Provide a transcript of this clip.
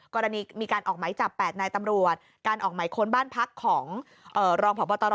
กรณีมีการออกไหมจับ๘นายตำรวจการออกหมายค้นบ้านพักของรองพบตร